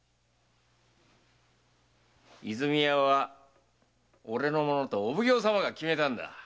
和泉屋は俺のものとお奉行様が決めたんだ。